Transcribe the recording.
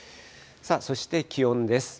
そして気温です。